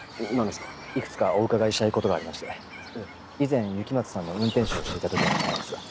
いくつかお伺いしたいことがありまして以前雪松さんの運転手をしていた時のことなんですが。